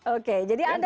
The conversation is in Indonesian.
oke jadi anda